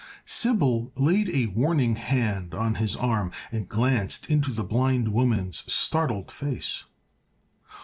Sybil laid a warning hand on his arm and glanced into the blind woman's startled face.